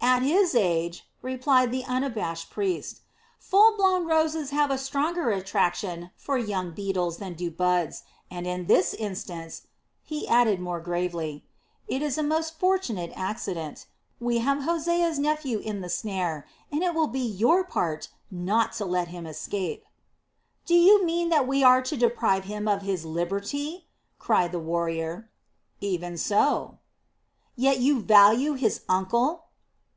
"At his age," replied the unabashed priest, "fullblown roses have a stronger attraction for young beetles than do buds; and in this instance," he added more gravely, "it is a most fortunate accident. We have Hosea's nephew in the snare, and it will be your part not to let him escape." "Do you mean that we are to deprive him of his liberty?" cried the warrior. "Even so." "Yet you value his uncle?"